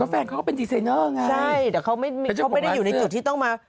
แฟนเขาก็เป็นดีไซเนอร์ไงใช่แต่เขาไม่ได้อยู่ในจุดที่ต้องมา